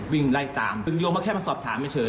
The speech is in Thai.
วิ่งไล่ตามยงบัตรแค่มาสอบถามเฉย